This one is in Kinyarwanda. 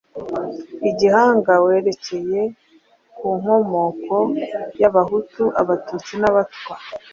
l gihanga werekeye ku nkomoko y'Abahutu, Abatutsi n'Abatwa.